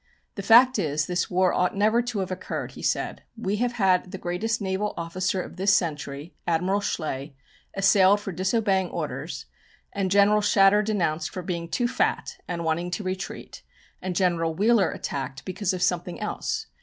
"The fact is this war ought never to have occurred," he said. "We have had the greatest naval officer of this century, Admiral Schley, assailed for disobeying orders, and General Shatter denounced for being too fat and wanting to retreat, and General Wheeler attacked because of something else.